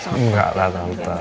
enggak lah tante